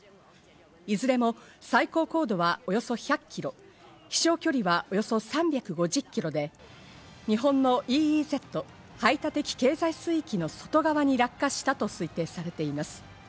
いずれも最高高度はおよそ１００キロ、飛翔距離はおよそ３５０キロで、日本のＥＥＺ＝排他的経済水域の外側に落下したと推定されています。